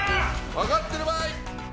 分かってるわい！